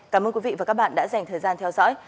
cảm ơn quý vị và các bạn đã dành thời gian theo dõi